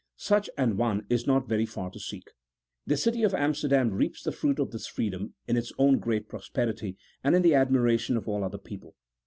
Such an one is not very far to seek. The city of Amsterdam reaps the fruit of this freedom in its own great prosperity and in the admiration of all other people.